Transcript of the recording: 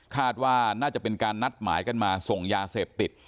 คาดว่าน่าจะเป็นการนัดหมายกันมาส่งยาเสพติด